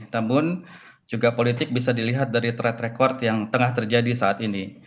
namun juga politik bisa dilihat dari track record yang tengah terjadi saat ini